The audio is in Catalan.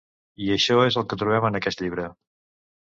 I això és el que trobem en aquest llibre.